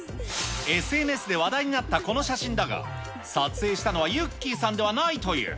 ＳＮＳで話題になったこの写真だが、撮影したのはゆっｋｅｙさんではないという。